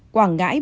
quảng ngãi bốn